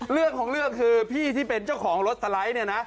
เรื่องของเรื่องคือพี่ที่เป็นเจ้าของรถสไลด์เนี่ยนะ